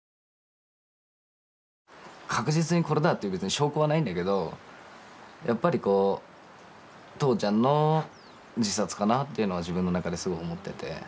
確実にこれだっていう別に証拠はないんだけどやっぱりこう父ちゃんの自殺かなっていうのは自分の中ですごい思ってて。